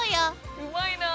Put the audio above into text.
うまいなあ。